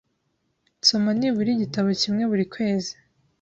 Nsoma byibuze igitabo kimwe buri kwezi .